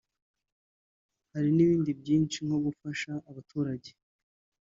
hari n’ibindi byinshi nko gufasha abaturage